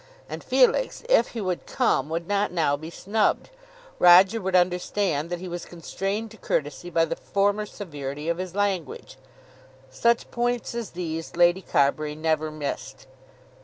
And Felix, if he would come, would not now be snubbed. Roger would understand that he was constrained to courtesy by the former severity of his language. Such points as these Lady Carbury never missed.